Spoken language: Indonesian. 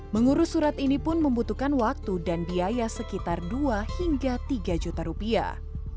mengurus surat ini pun membutuhkan waktu dan biaya sekitar dua hingga tiga juta rupiah